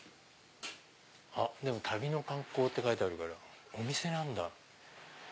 でも「旅の観光」って書いてあるからお店なんだ。